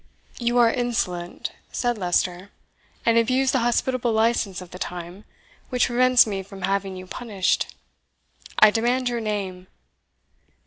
"You are insolent," said Leicester, "and abuse the hospitable license of the time, which prevents me from having you punished. I demand your name!"